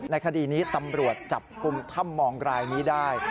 คดีนี้ตำรวจจับกลุ่มถ้ำมองรายนี้ได้